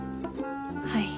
はい。